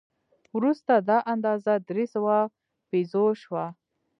وروسته دا اندازه درې سوه پیزو شوه.